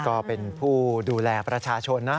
ก็เป็นผู้ดูแลประชาชนนะ